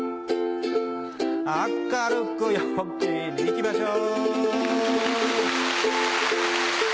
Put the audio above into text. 明るく陽気にいきましょう